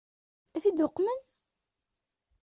Ad t-id-uqmen?